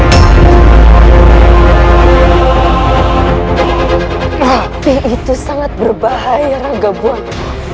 tapi itu sangat berbahaya gakbu anak